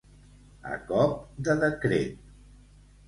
A cop de decret.